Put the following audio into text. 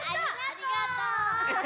ありがとう！